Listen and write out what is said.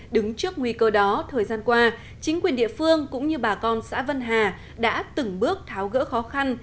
đứng trước nguy cơ đó thời gian qua chính quyền địa phương cũng như bà con xã vân hà đã từng bước tháo gỡ khó khăn